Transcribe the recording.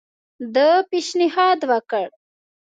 ده پېشنهاد وکړ.